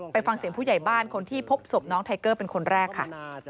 ฟังเสียงผู้ใหญ่บ้านคนที่พบศพน้องไทเกอร์เป็นคนแรกค่ะ